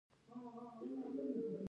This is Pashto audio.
د مخ د توروالي لپاره د څه شي اوبه وکاروم؟